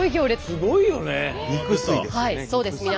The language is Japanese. すごいよね。